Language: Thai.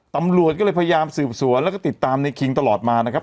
ตำรวจก็เลยพยายามสืบสวนแล้วก็ติดตามในคิงตลอดมานะครับ